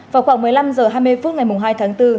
vào khoảng một mươi năm h hai mươi phút ngày hai tháng bốn